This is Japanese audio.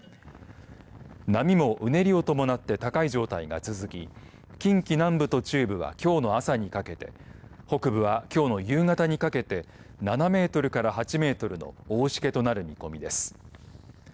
波もうねりを伴って高い状態が続き近畿南部と中部はきょうの朝にかけて北部は、きょうの夕方にかけて７メートルから８メートルの大しけとなる見込みです。